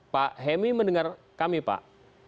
pak hemi mendengar kami pak